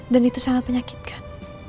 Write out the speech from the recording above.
dan itu sangat menyakitkan